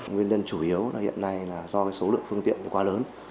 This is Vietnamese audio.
nguyên nhân chủ yếu là hiện nay là do số lượng phương tiện quá lớn